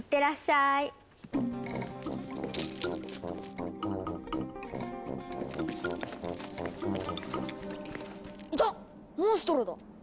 いたモンストロだ！